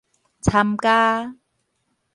參加